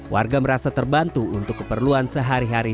warga merasa terbantu untuk keperluan sehari hari